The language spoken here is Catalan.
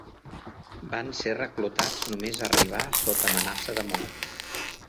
Van ser reclutats només arribar sota amenaça de mort.